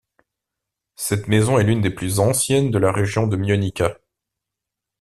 Cette maison est l'une des plus anciennes de la région de Mionica.